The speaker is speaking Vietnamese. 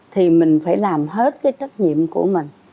thì mình phải làm hết cái trách nhiệm của mình